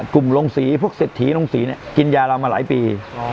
กลุ่มรงสีพวกเซสถีรงสีเนี่ยกินยาลำมาหลายปี